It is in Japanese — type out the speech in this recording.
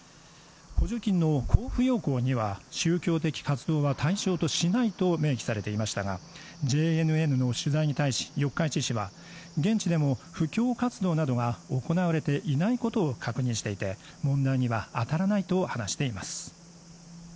補助金の交付要綱には宗教的活動は対象としないと明記されていましたがＪＮＮの取材に対し四日市市は現地でも布教活動などが行われていないことを確認していて問題には当たらないと話しています